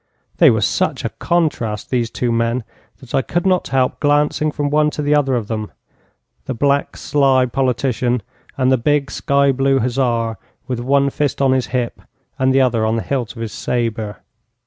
They were such a contrast, these two men, that I could not help glancing from one to the other of them: the black, sly politician, and the big, sky blue hussar with one fist on his hip and the other on the hilt of his sabre.